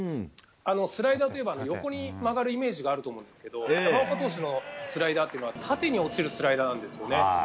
スライダーといえば横に曲がるイメージがあると思うんですが山岡投手のスライダーは縦に落ちるスライダーなんですね。